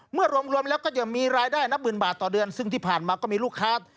เมื่อรวมแล้วก็ยังมีรายได้นับหมื่นบาทต่อเดือนซึ่งที่ผ่านมาก็มีลูกค้า